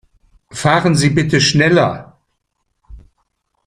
Fahren Sie bitte schneller.